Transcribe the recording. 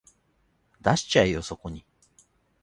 出しちゃえよそこに